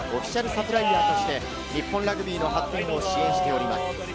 サプライヤーとして日本ラグビーの発展を支援しております。